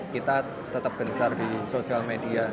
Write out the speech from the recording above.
kita tetap gencar di sosial media